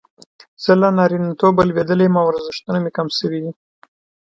زه له نارینتوبه لویدلی یم او ارزښتونه مې کم شوي.